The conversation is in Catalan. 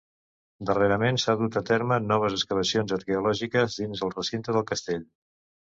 Darrerament s'han dut a terme noves excavacions arqueològiques dins el recinte del castell.